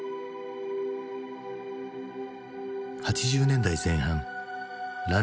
８０年代前半らん